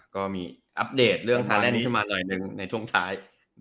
ก็มีอัปเดตเรื่องทานแรกนี้ขึ้นมาหน่อยหนึ่งในช่วงท้าย